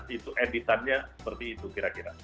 itu editannya seperti itu kira kira